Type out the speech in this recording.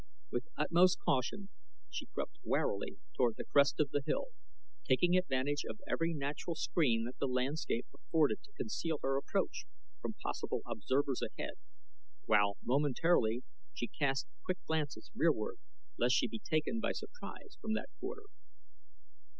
With utmost caution she crept warily toward the crest of the hill, taking advantage of every natural screen that the landscape afforded to conceal her approach from possible observers ahead, while momentarily she cast quick glances rearward lest she be taken by surprise from that quarter.